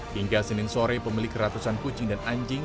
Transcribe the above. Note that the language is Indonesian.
hingga senin sore pemilik ratusan kucing dan anjing